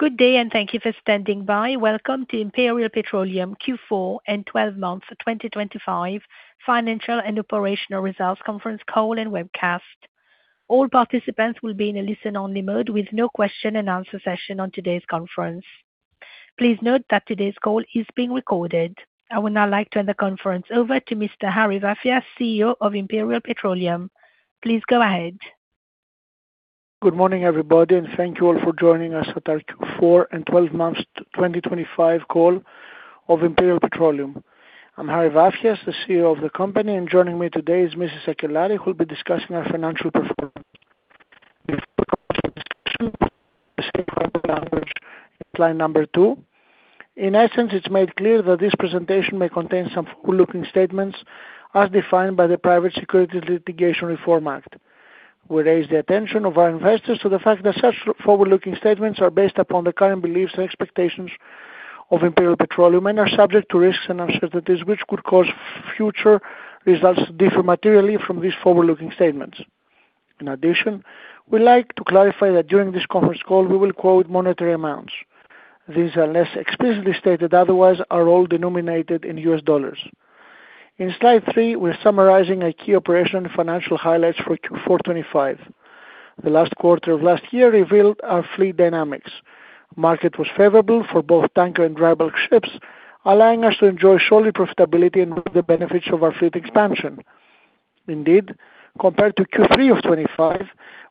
Good day and thank you for standing by. Welcome to Imperial Petroleum Q4 and 12 months of 2025 financial and operational results conference call and webcast. All participants will be in a listen-only mode with no question and answer session on today's conference. Please note that today's call is being recorded. I would now like to hand the conference over to Mr. Harry Vafias, CEO of Imperial Petroleum. Please go ahead. Good morning, everybody, thank you all for joining us at our Q4 and 12 months 2025 call of Imperial Petroleum. I'm Harry Vafias, the CEO of the company, joining me today is Ms. Sakellaris, who will be discussing our financial performance. Before we continue the discussion, please refer to the disclaimer language on slide number 2. In essence, it's made clear that this presentation may contain some forward-looking statements as defined by the Private Securities Litigation Reform Act. We raise the attention of our investors to the fact that such forward-looking statements are based upon the current beliefs and expectations of Imperial Petroleum, are subject to risks and uncertainties, which could cause future results to differ materially from these forward-looking statements. In addition, we like to clarify that during this conference call, we will quote monetary amounts. These, unless explicitly stated otherwise, are all denominated in US dollars. In slide three, we're summarizing our key operational and financial highlights for Q4 2025. The last quarter of 2024 revealed our fleet dynamics. Market was favorable for both tanker and dry bulk ships, allowing us to enjoy surely profitability and the benefits of our fleet expansion. Indeed, compared to Q3 of 2025,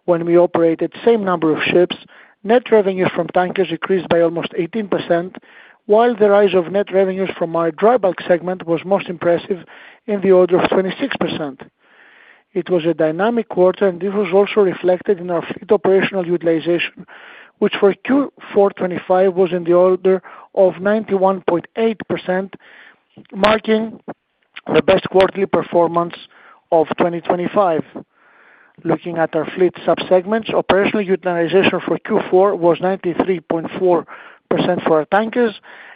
when we operated same number of ships, net revenue from tankers increased by almost 18%, while the rise of net revenues from our dry bulk segment was most impressive in the order of 26%. It was a dynamic quarter, and this was also reflected in our fleet operational utilization, which for Q4 2025 was in the order of 91.8%, marking the best quarterly performance of 2025. Looking at our fleet sub-segments, operational utilization for Q4 was 93.4% for our tankers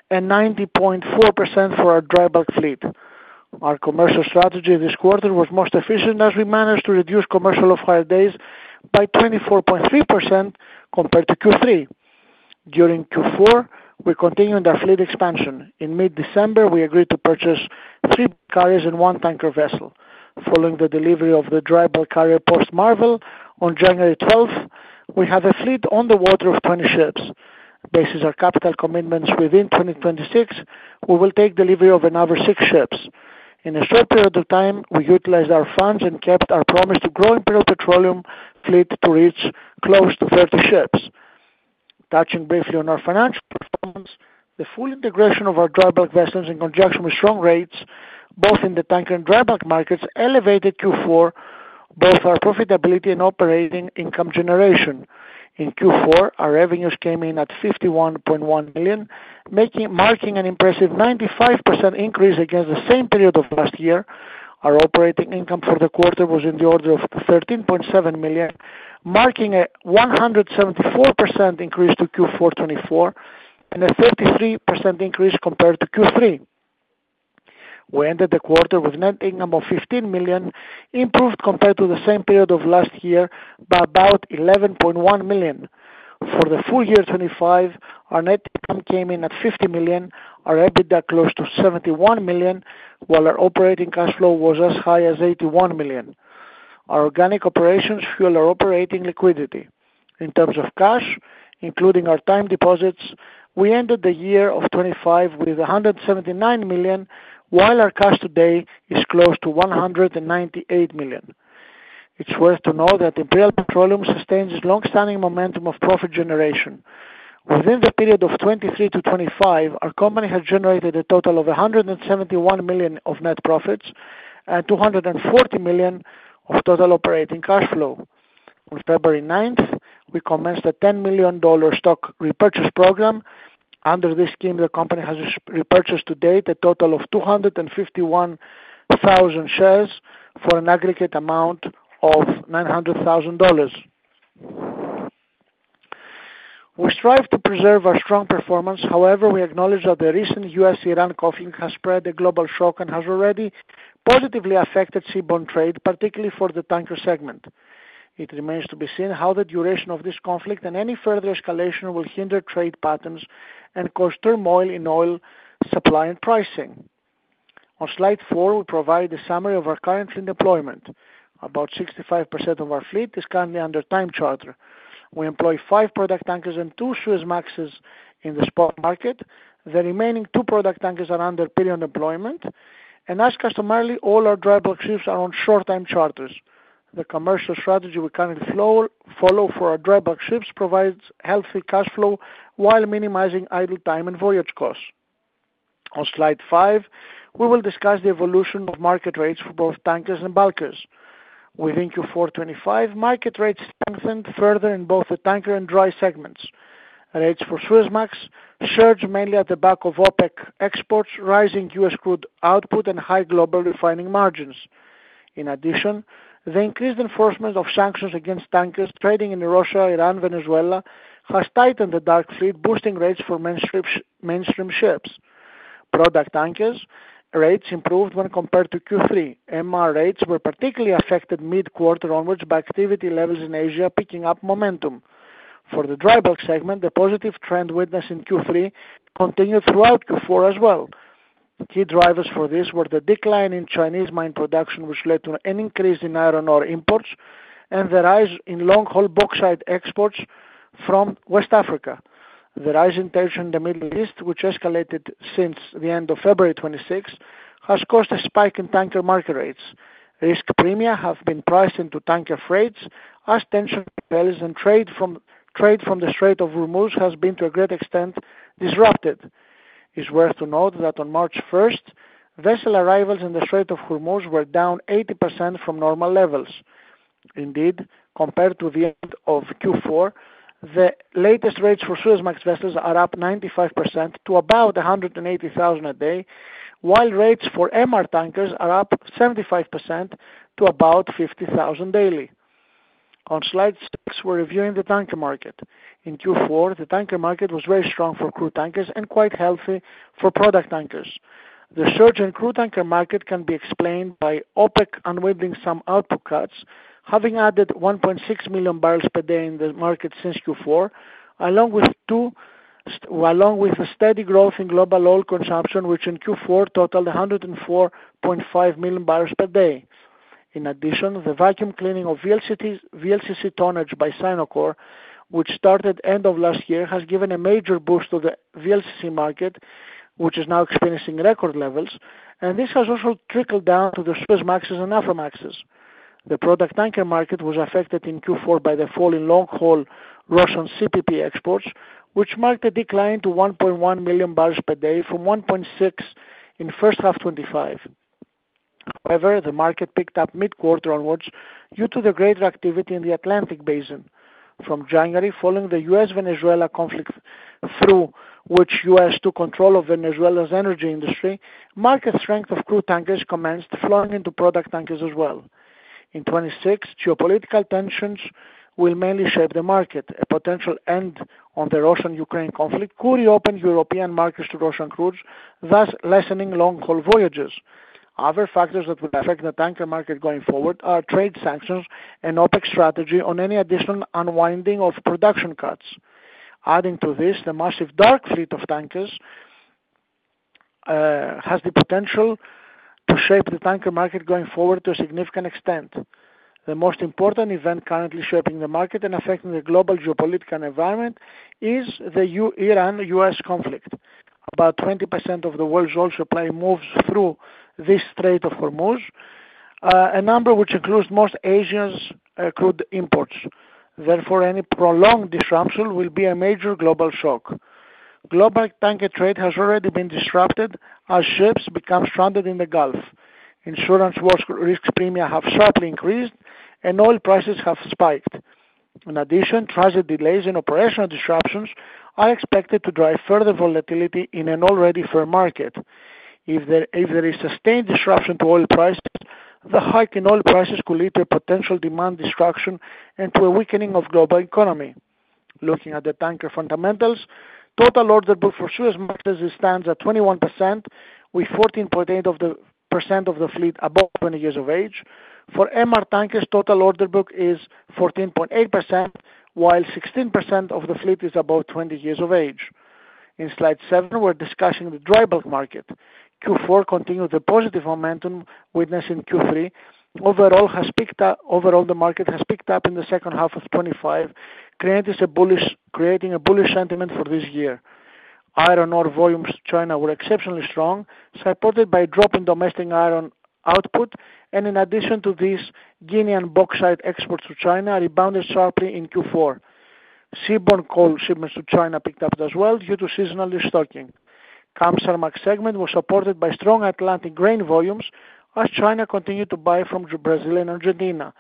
and 90.4% for our dry bulk fleet. Our commercial strategy this quarter was most efficient as we managed to reduce commercial off-hire days by 24.3% compared to Q3. During Q4, we continued our fleet expansion. In mid-December, we agreed to purchase three carriers and one tanker vessel. Following the delivery of the dry bulk carrier POS MARVEL on January 12th, we have a fleet on the water of 20 ships. Based on our capital commitments within 2026, we will take delivery of another six ships. In a short period of time, we utilized our funds and kept our promise to grow Imperial Petroleum fleet to reach close to 30 ships. Touching briefly on our financial performance, the full integration of our dry bulk vessels in conjunction with strong rates, both in the tanker and dry bulk markets, elevated Q4 both our profitability and operating income generation. In Q4, our revenues came in at $51.1 million, marking an impressive 95% increase against the same period of last year. Our operating income for the quarter was in the order of $13.7 million, marking a 174% increase to Q4 2024 and a 33% increase compared to Q3. We ended the quarter with net income of $15 million, improved compared to the same period of last year by about $11.1 million. For the full year 2025, our net income came in at $50 million, our EBITDA close to $71 million, while our operating cash flow was as high as $81 million. Our organic operations fuel our operating liquidity. In terms of cash, including our time deposits, we ended the year of 2025 with $179 million, while our cash today is close to $198 million. It's worth to know that Imperial Petroleum sustains its long-standing momentum of profit generation. Within the period of 2023-2025, our company has generated a total of $171 million of net profits and $240 million of total operating cash flow. On February 9th, we commenced a $10 million stock repurchase program. Under this scheme, the company has repurchased to date a total of 251,000 shares for an aggregate amount of $900,000. We strive to preserve our strong performance. We acknowledge that the recent U.S.-Iran conflict has spread a global shock and has already positively affected seaborne trade, particularly for the tanker segment. It remains to be seen how the duration of this conflict and any further escalation will hinder trade patterns and cause turmoil in oil supply and pricing. On slide 4, we provide a summary of our current in deployment. About 65% of our fleet is currently under time charter. We employ 5 product tankers and 2 Suezmaxes in the spot market. The remaining 2 product tankers are under period employment. As customarily, all our dry bulk ships are on short-term charters. The commercial strategy we currently follow for our dry bulk ships provides healthy cash flow while minimizing idle time and voyage costs. On slide 5, we will discuss the evolution of market rates for both tankers and bulkers. Within Q4 2025, market rates strengthened further in both the tanker and dry segments. Rates for Suezmax surged mainly at the back of OPEC exports, rising U.S. crude output and high global refining margins. In addition, the increased enforcement of sanctions against tankers trading in Russia, Iran, Venezuela, has tightened the dark fleet, boosting rates for mainstream ships. Product tankers rates improved when compared to Q3. MR rates were particularly affected mid-quarter onwards by activity levels in Asia picking up momentum. For the dry bulk segment, the positive trend witnessed in Q3 continued throughout Q4 as well. Key drivers for this were the decline in Chinese mine production, which led to an increase in iron ore imports and the rise in long-haul bauxite exports from West Africa. The rise in tensions in the Middle East, which escalated since the end of February 2026, has caused a spike in tanker market rates. Risk premia have been priced into tanker freights as tension prevails, trade from the Strait of Hormuz has been to a great extent disrupted. It's worth to note that on March first, vessel arrivals in the Strait of Hormuz were down 80% from normal levels. Compared to the end of Q4, the latest rates for Suezmax vessels are up 95% to about $180,000 a day, while rates for MR tankers are up 75% to about $50,000 daily. On slide 6, we're reviewing the tanker market. In Q4, the tanker market was very strong for crude tankers and quite healthy for product tankers. The surge in crude tanker market can be explained by OPEC unwinding some output cuts, having added 1.6 million barrels per day in the market since Q4, along with a steady growth in global oil consumption, which in Q4 totaled 104.5 million barrels per day. In addition, the vacuum-cleaning of VLCC tonnage by Sinokor Merchant Marine, which started end of last year, has given a major boost to the VLCC market, which is now experiencing record levels, and this has also trickled down to the Suezmaxes and Aframaxes. The product tanker market was affected in Q4 by the fall in long-haul Russian CPP exports, which marked a decline to 1.1 million barrels per day from 1.6 in first half 2025. The market picked up mid-quarter onwards due to the greater activity in the Atlantic basin. From January, following the U.S.-Venezuela conflict, through which the U.S. took control of Venezuela's energy industry, market strength of crude tankers commenced flowing into product tankers as well. In 2026, geopolitical tensions will mainly shape the market. A potential end on the Russian-Ukraine conflict could reopen European markets to Russian crudes, thus lessening long-haul voyages. Other factors that will affect the tanker market going forward are trade sanctions and OPEC's strategy on any additional unwinding of production cuts. Adding to this, the massive dark fleet of tankers has the potential to shape the tanker market going forward to a significant extent. The most important event currently shaping the market and affecting the global geopolitical environment is the Iran-U.S. conflict. About 20% of the world's oil supply moves through the Strait of Hormuz, a number which includes most Asia's crude imports. Any prolonged disruption will be a major global shock. Global tanker trade has already been disrupted as ships become stranded in the Gulf. Insurance war risk premia have sharply increased and oil prices have spiked. Transit delays and operational disruptions are expected to drive further volatility in an already firm market. If there is sustained disruption to oil prices, the hike in oil prices could lead to a potential demand destruction and to a weakening of global economy. Looking at the tanker fundamentals, total order book for Suezmaxes stands at 21%, with 14.8% of the fleet above 20 years of age. For MR tankers, total order book is 14.8%, while 16% of the fleet is above 20 years of age. In slide 7, we're discussing the dry bulk market. Q4 continued the positive momentum witnessed in Q3. Overall, the market has picked up in the second half of 2025, creating a bullish sentiment for this year. Iron ore volumes to China were exceptionally strong, supported by a drop in domestic iron output. In addition to this, Guinean bauxite exports to China rebounded sharply in Q4. Seaborne coal shipments to China picked up as well due to seasonal restocking. Kamsarmax segment was supported by strong Atlantic grain volumes as China continued to buy from Brazil and Argentina,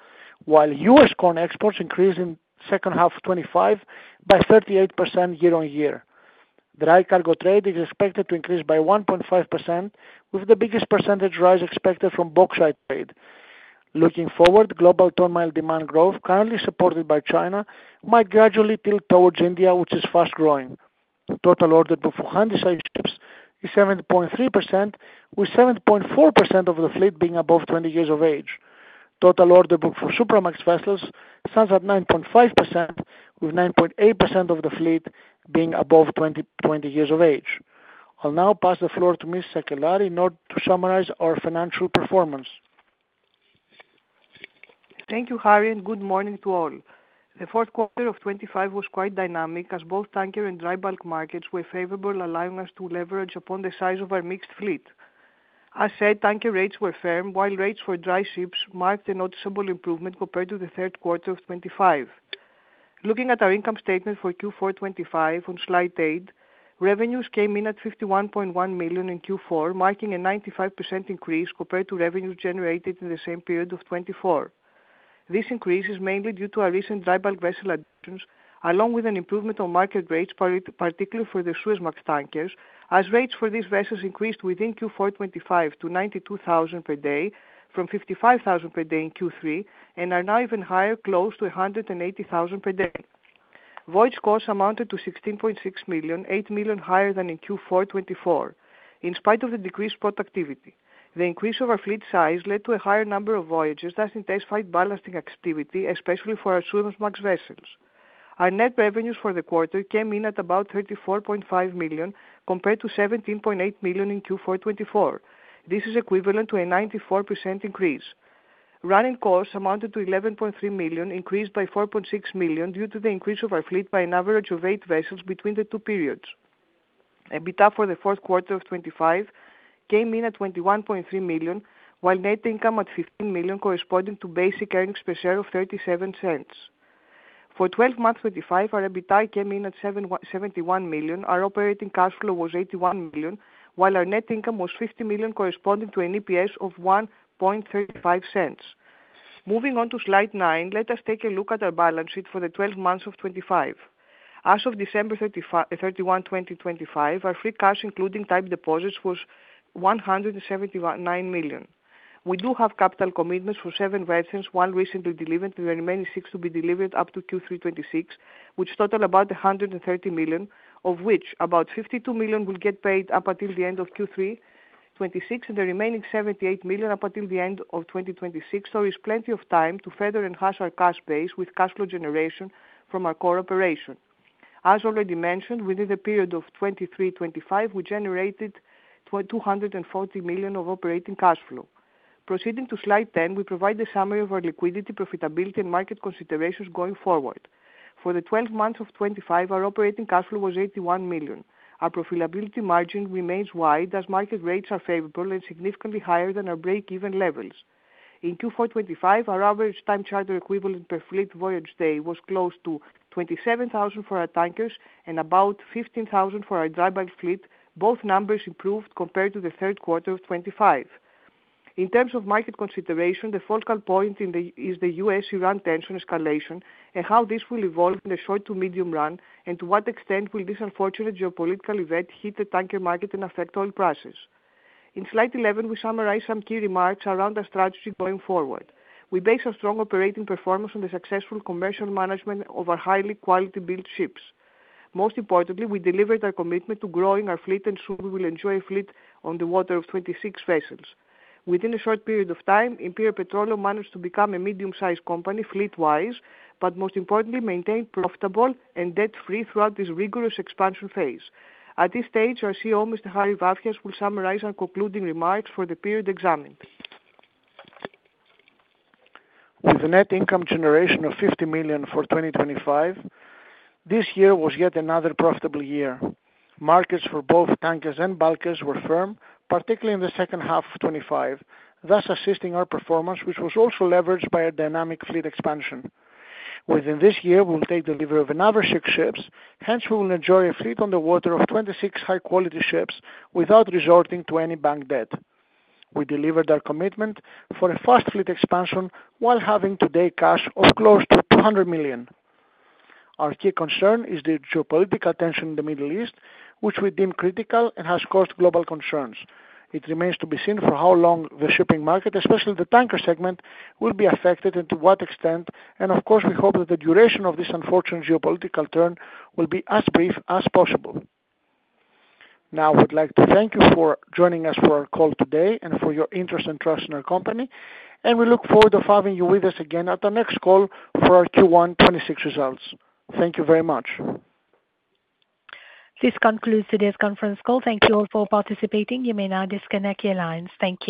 while U.S. corn exports increased in second half 2025 by 38% year-on-year. Dry cargo trade is expected to increase by 1.5%, with the biggest percentage rise expected from bauxite trade. Looking forward, global ton-mile demand growth currently supported by China might gradually tilt towards India, which is fast-growing. The total order book for Handysize ships is 7.3%, with 7.4% of the fleet being above 20 years of age. Total order book for Supramax vessels stands at 9.5%, with 9.8% of the fleet being above 20 years of age. I'll now pass the floor to Ms. Sakellaris in order to summarize our financial performance. Thank you, Harry. Good morning to all. The fourth quarter of 2025 was quite dynamic as both tanker and dry bulk markets were favorable, allowing us to leverage upon the size of our mixed fleet. As said, tanker rates were firm, while rates for dry ships marked a noticeable improvement compared to the third quarter of 2025. Looking at our income statement for Q4 2025 on slide 8, revenues came in at $51.1 million in Q4, marking a 95% increase compared to revenues generated in the same period of 2024. This increase is mainly due to our recent dry bulk vessel additions, along with an improvement on market rates, particularly for the Suezmax tankers as rates for these vessels increased within Q4 2025 to $92,000 per day from $55,000 per day in Q3 and are now even higher, close to $180,000 per day. Voyage costs amounted to $16.6 million, $8 million higher than in Q4 2024. In spite of the decreased spot activity, the increase of our fleet size led to a higher number of voyages, thus intensified balancing activity, especially for our Supramax vessels. Our net revenues for the quarter came in at about $34.5 million, compared to $17.8 million in Q4 2024. This is equivalent to a 94% increase. Running costs amounted to $11.3 million, increased by $4.6 million due to the increase of our fleet by an average of eight vessels between the two periods. EBITDA for the fourth quarter of 2025 came in at $21.3 million, while net income at $15 million corresponded to basic earnings per share of $0.37. For 12 months 2025, our EBITDA came in at $71 million. Our operating cash flow was $81 million, while our net income was $50 million corresponding to an EPS of $1.35. Moving on to slide nine, let us take a look at our balance sheet for the 12 months of 2025. As of December thirty-one, 2025, our free cash, including time deposits, was $179 million. We do have capital commitments for 7 vessels, one recently delivered, with the remaining 6 to be delivered up to Q3 2026, which total about $130 million, of which about $52 million will get paid up until the end of Q3 2026, and the remaining $78 million up until the end of 2026. There is plenty of time to further enhance our cash base with cash flow generation from our core operation. As already mentioned, within the period of 2023-2025, we generated $240 million of operating cash flow. Proceeding to slide 10, we provide a summary of our liquidity, profitability, and market considerations going forward. For the 12 months of 2025, our operating cash flow was $81 million. Our profitability margin remains wide as market rates are favorable and significantly higher than our break-even levels. In Q4 2025, our average time charter equivalent per fleet voyage day was close to $27,000 for our tankers and about $15,000 for our dry bulk fleet. Both numbers improved compared to the third quarter of 2025. In terms of market consideration, the focal point is the U.S. Iran tension escalation and how this will evolve in the short to medium run and to what extent will this unfortunate geopolitical event hit the tanker market and affect oil prices. In slide 11, we summarize some key remarks around our strategy going forward. We base our strong operating performance on the successful commercial management of our highly quality built ships. Most importantly, we delivered our commitment to growing our fleet and soon we will enjoy a fleet on the water of 26 vessels. Within a short period of time, Imperial Petroleum managed to become a medium-sized company fleet-wise, but most importantly maintained profitable and debt-free throughout this rigorous expansion phase. At this stage, our CEO, Mr. Harry Vafias, will summarize our concluding remarks for the period examined. With a net income generation of $50 million for 2025, this year was yet another profitable year. Markets for both tankers and bulkers were firm, particularly in the second half of 2025, thus assisting our performance, which was also leveraged by a dynamic fleet expansion. Within this year, we'll take delivery of another six ships, hence we will enjoy a fleet on the water of 26 high quality ships without resorting to any bank debt. We delivered our commitment for a fast fleet expansion while having today cash of close to $200 million. Our key concern is the geopolitical tension in the Middle East, which we deem critical and has caused global concerns. It remains to be seen for how long the shipping market, especially the tanker segment, will be affected and to what extent. Of course, we hope that the duration of this unfortunate geopolitical turn will be as brief as possible. Now, I would like to thank you for joining us for our call today and for your interest and trust in our company. we look forward to having you with us again at our next call for our Q1 2026 results. Thank you very much. This concludes today's conference call. Thank you all for participating. You may now disconnect your lines. Thank you.